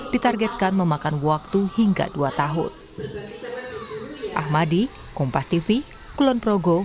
ditargetkan memakan waktu hingga dua tahun